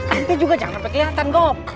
ambe juga jangan ngeperlihatan gok